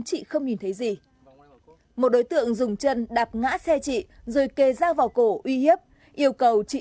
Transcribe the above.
chị không nhìn thấy gì một đối tượng dùng chân đạp ngã xe chị rồi kề dao vào cổ uy hiếp yêu cầu chị